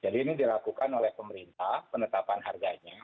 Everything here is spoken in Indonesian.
jadi ini dilakukan oleh pemerintah penetapan harganya